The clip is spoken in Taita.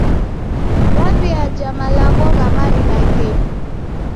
W'aw'iaja malagho gha marina ghedu.